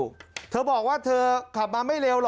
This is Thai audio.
คำเป็นบอกว่าขับมาไม่เร็ว